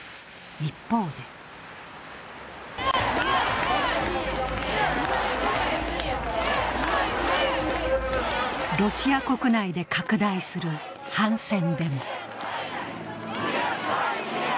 一方でロシア国内で拡大する反戦デモ。